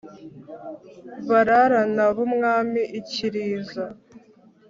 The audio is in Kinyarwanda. bararana b'umwami i kiriza,